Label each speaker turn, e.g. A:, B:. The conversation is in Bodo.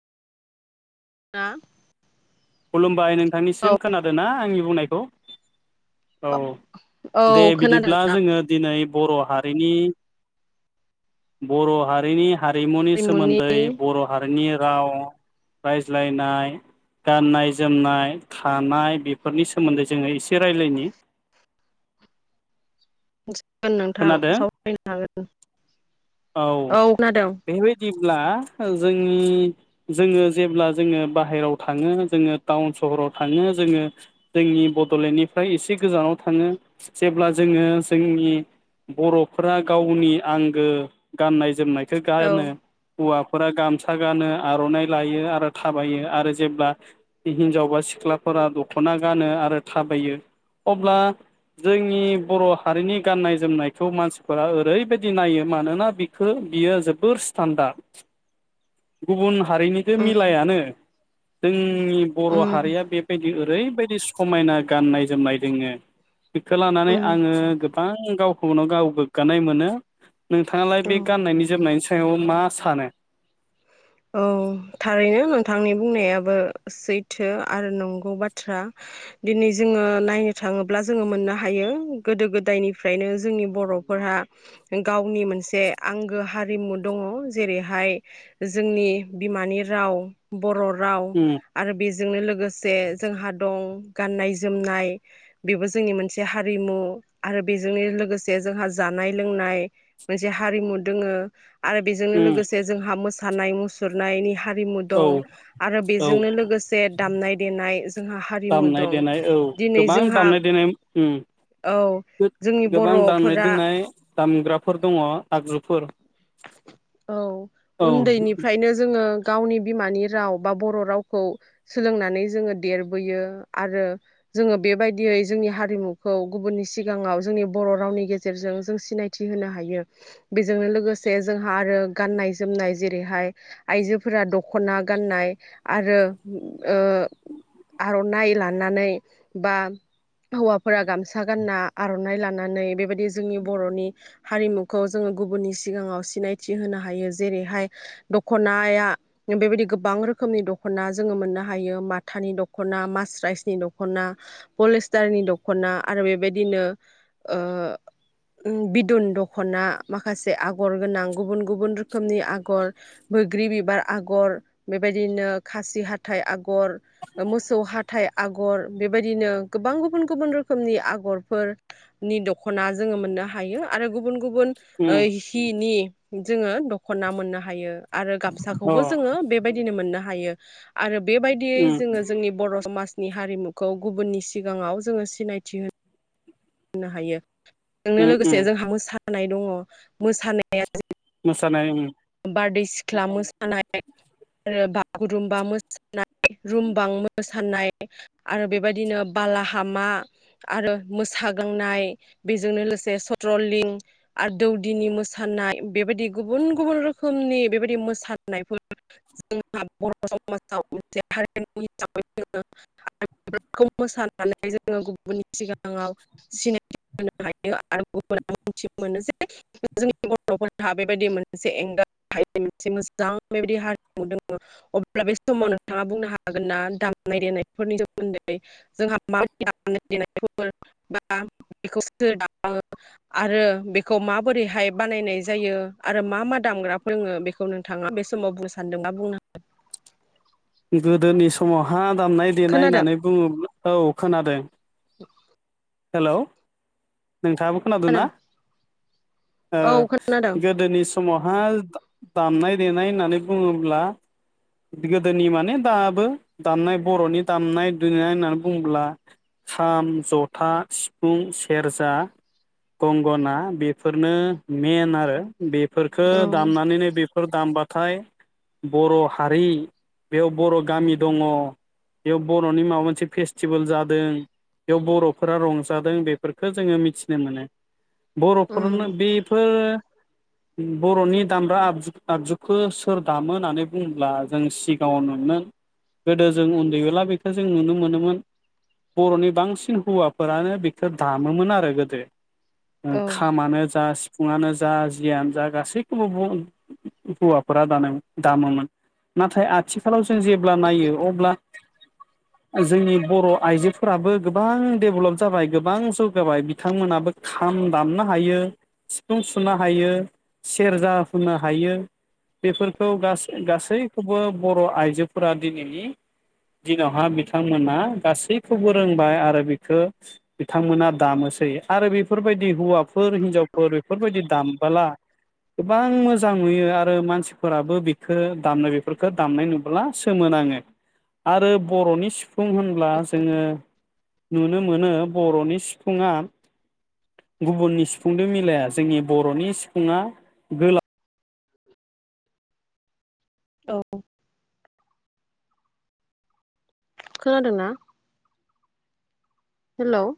A: आ
B: खुलुमबाय नोंथांनिसिम खोनादो ना आंनि बुंनायखौ? औ
A: औ
B: दे
A: खोनादों
B: बिदिब्ला
A: नोंथां
B: जोंङो दिनै बर' हारिनि बर' हारिनि हारिमुनि सोमोन्दै बर' हारिनि राव रायज्लायनाय गाननाय जोमनाय थानाय बेफोरनि सोमोन्दै जोंङो इसे रायलायनि।
A: [unintelligible] जागोन नोंथां सावरायनो हागोन।
B: औ बेबायदिब्ला जोंनि जोंङो जेब्ला जोंङो बाहेराव थांङो जोंङो टाउन सहराव थांङो जोंङो जोंनि बड'लेण्डनिफ्राय इसे गोजानाव थांङो जेब्ला जोंङो जोंनि बर'फोरा गावनि आंगो गाननाय जोमनाय खो
A: औ
B: गानो हौवाफोरा गामसा गानो आर'नाइ लायो आरो थाबायो आरो जेब्ला हिनजाव बा सिख्लाफोरा दखना गानो आरो थाबायो अब्ला जोंनि बर' हारिनि गाननाय जोमनायखौ मानसिफोरा ओरैबायदि नायो मानोना बिखो बियो जोबोर स्टानदार गुबुन हारिनिदो
A: उम
B: मिलायानो। जों जोंनि बर'
A: उम
B: हारिया बेबायदि ओरैबायदि समायना गाननाय जोमनाय दोङो। बेखो लानानै
A: उम
B: आङो गो गोबां गावखौनो गाव गोग्गानाय मोनो। नोंथाङालाय
A: औ
B: बे गाननायनि जोमनायनि सायाव मा सानो?
A: औ थारैनो नो थांनि बुंनायाबो सैथो आरो नंगौ बाथ्रा दिनै जोङो नायनो थाङोब्ला जोङो मोननो हायो गोदो गोदायनिफ्रायनो जोंनि बर'फोराहा गावनि मोनसे आंगो हारिमु दङ। जेरैहाय जोंनि बिमानि राव बर' राव
B: उम
A: आरो बेज जोंनो लोगोसे जोंहा दं गाननाय जोमनाय बेबो जोंनि मोनसे हारिमु आरो बेजोंनो लोगोसे जोंहा जानाय लोंनाय मोनसे हारिमु दोङो। आरो बेजोंनो
B: उम
A: लोगोसे जोंहा मोसा सानाय मुसुरनायनि हा रिमु
B: औ
A: दं, आरो
B: औ
A: बेजोंनो लोगोसे दामनाय देनाय जोंहा हारिमु
B: दामनाय
A: दं।
B: देनाय औ
A: दिनै
B: गोबां
A: जोंहा
B: दामनाय देनाय उम
A: औ जोंनि
B: गोबां दामनाय
A: बर'फोरा [inaudible]
B: देनाय दामग्राफोर दङ आगजुफोर
A: औ
B: औ
A: उन्दैनिफ्रायनो जोङो गावनि बिमानि राव बा बर' रावखौ सोलोंनानै जोङो देरबोयो आरो जोङो बेबायदियै जोंनि हारिमुखौ गुबुननि सिगाङाव जोंनि बर' रावनि गेजेरजों जों सिनायथि होनो हायो बेजोंनो लोगो जे जोंहा आरो गाननाय जोमनाय जेरैहाय आइजोफोरा दखना गाननाय आरो ओ आर'नाइ लानानै बा हौवाफोरा गामसा गानना आर'नाइ लानानै बेबायदि जोंनि बर'नि हारिमुखौ जोङो गुबुननि सि सिगाङाव सिनायथि होनो हायो जेरैहाय दखनाया बेबायदि गोबां रोखोमनि दखना जोङो मोननो हायो माथानि दखना मासराइसनि दखना पलिस्टारनि दखना आरो बेबायदिनो ओ बिदुन दखना माखासे से आगर गोनां गुबुन गुबुन रोखोमनि आगर बोग्रि बिबार आगर बेबायदिनो खासि हाथाइ, आगर मोसौ हाथाइ आगर बेबायदिनो गोबां गुबुन गुबुन रोखोमनि आगर फोरनि दखना जोङो मोननो हायो आरो गुबुन गुबुन
B: उम
A: ओइ हि नि जोङो दखना मोननो हायो। आरो गामसाखौबो
B: उम
A: जोङो बेबायदिनो मोननो हा हायो आरो बेबायदियै
B: उम
A: जोङो जोंनि बर समाज। नि हारिमुखौ गुबुननि सिगाङाव जोङो सिनायथि होनो। होनो हायो। नो लोगोसे
B: उम
A: जोंहा मोसा नाय दङ मोसानाया [inaudible]
B: मोसानाय उम।
A: बारदै सिख्ला मोसानाय आरो बागुरुमबा मोसानाय रुमबां मोसानाय आरो बेबायदिनो बालाहामा आरो मोसाग्लांनाय बेजोंनो लोगोसे सट्रलिं आरो दौदिनि मोसानाय बेबायदि गुबुन गुबुन रो खोमनि बेबायदि मोसानायफोर जोंहा बर' समाजाव मोनसे हारिमु हिसाबै मोसानानै जोङो गुबुननि सिगाङाव सिनायथि होनो हायो आरो गुबुथिनो मोनो जे जोंनि बर'हा बेबायदि मोनसे एंगार [unintelligible] फोरोङो बेखौ नोंथाङा बे समाव बुंनो सानदों बा बुंनो हा
B: गोदोनि समावहा दामनाय देनाय
A: खोनादों
B: होननानै बुङोब्ला औ खोनादों।
A: [inaudible]
B: हेलौ। नोंथाङाबो खोनादों ना? ओ
A: औ खोनादों
B: गोदोनि समावहाय दामनाय देनाय होननानै बुङोब्ला गोदोनि माने दाबो दामनाय बर'नि दामनाय दुनाय होननानै बुङोब्ला खाम, ज था, सिफुं, सेरजा, गंगना बेफोरनो मेन आरो। बेफोरखौ
A: औ
B: दामनानैनो बे फोर दामबाथाय बर' हारि बेयाव बर' गामि दङ' बेयाव बर'नि माबा मोनसे फेस्टिभेल जादों बेयाव बर' फोरा रंजादों बेफोरखौ जोङो मिथिनो मोनो।
A: उम
B: बर'फोरनो बेफोर बर'नि दामग्रा आबजु आगजुखौ सोर दामो होननानै बुंङोब्ला जों सिगाङाव नुनो गोदो जों उन्दैब्ला बेखौ जों नुनो मोनोमोन बर'नि बांसिन हौवा फोरानो बिखौ दामोमोन आरो गोदो। ओ
A: औ
B: खामानो जा फुङानो जा जियानो जा गासैखौबो हौवाफोरा दाना दामोमोन नाथाय आथिखालाव जों जेब्ला नायो अब्ला जोंनि बर'आइजोफोराबो गोबां। डेभेलप जाबाय गोबां जौगाबाय बिथांमोनाबो खाम दामनो हायो सिफुं सुनो हायो सेरजा हुनो हायो बेफोरखौ गासै गासैखौबो बर'आइजोफोरा दिनैनि दिनावहा बिथांमोना गासैखौबो रोंबाय आरो खौ बिथांमोना दामोसै आरो बेफोरबायदि हौवाफोर हिनजावफोर बेफोरबायदि दामबोला गोबां मोजां नुयो आरो मानसिफोराबो बेखौ दामनाय बेफोरखौ दामनाय नुब्ला सोमोनाङो आरो बर'नि सिफुं होनब्ला जोङो नुनो मोनो बर'नि सिफुङा गुबुननि सिफुंदो मिलाया जोंनि बर'नि सिफुङा गोलाव।
A: औ। खोनादोंना? हेलौ।